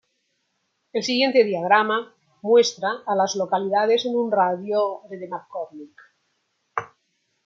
El siguiente diagrama muestra a las localidades en un radio de de McCormick.